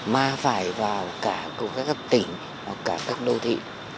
mà phải vào cả các tỉnh cả các đô thị